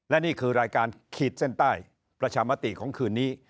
และนี่คือรายการขีดเส้นใต้ประชามติของคืนนี้